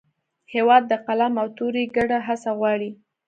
هېواد د قلم او تورې ګډه هڅه غواړي.